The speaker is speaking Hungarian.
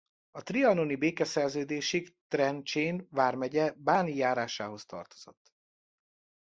A trianoni békeszerződésig Trencsén vármegye Báni járásához tartozott.